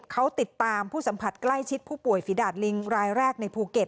เขาติดตามผู้สัมผัสใกล้ชิดผู้ป่วยฝีดาดลิงรายแรกในภูเก็ต